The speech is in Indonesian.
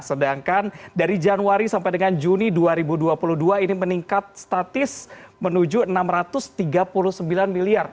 sedangkan dari januari sampai dengan juni dua ribu dua puluh dua ini meningkat statis menuju rp enam ratus tiga puluh sembilan miliar